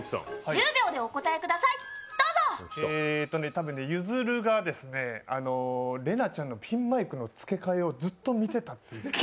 多分ね、ゆずるがれなぁちゃんのピンマイクの付け替えをずっと見てたっていう。